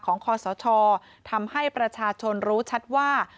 คอสชทำให้ประชาชนรู้ชัดว่า